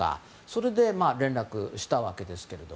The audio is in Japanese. それで、連絡をしたわけですね。